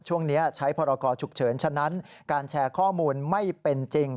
ช่วงนี้ใช้พรกรฉุกเฉินฉะนั้นการแชร์ข้อมูลไม่เป็นจริง